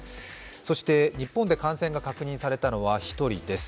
そして日本で感染が確認されたのは１人す。